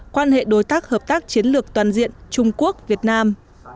quan hệ đối tác hợp tác chiến lược toàn diện trung quốc việt nam